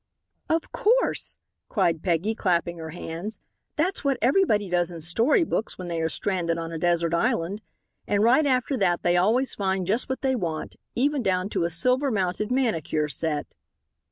"Of course," cried Peggy, clapping her hands, "that's what everybody does in story books when they are stranded on a desert island, and right after that they always find just what they want, even down to a silver mounted manicure set."